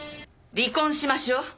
離婚しましょう